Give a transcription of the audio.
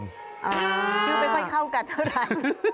ชื่อไม่ค่อยเข้ากันเท่านั้น